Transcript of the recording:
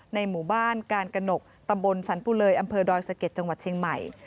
หมู่บ้านการกระหนกตำบลสรรปุเลยอำเภอดอยสะเก็ดจังหวัดเชียงใหม่